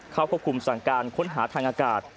เข้าควบคุมสั่งการค้นหาทางอากาศ